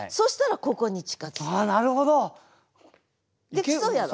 できそうやろ？